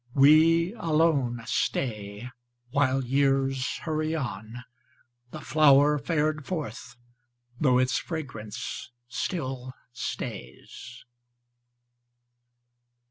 We alone stay While years hurry on, The flower fared forth, though its fragrance still stays.